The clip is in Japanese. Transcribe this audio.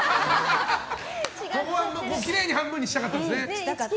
ここできれいに半分にしたかったんですね。